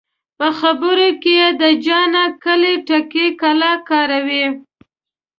په خبرو کې یې د جانه ګله تکیه کلام کاراوه.